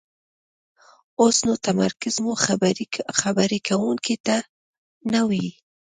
اوسو نو تمرکز مو خبرې کوونکي ته نه وي،